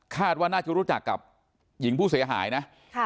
ว่าน่าจะรู้จักกับหญิงผู้เสียหายนะ